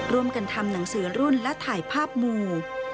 ร่วมกันทำหนังสือรุ่นและถ่ายภาพหมู่